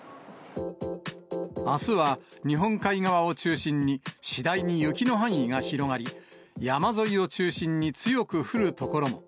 あすは日本海側を中心に、次第に雪の範囲が広がり、山沿いを中心に強く降る所も。